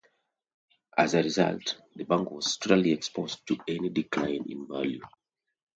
As a result, the bank was totally exposed to any decline in value.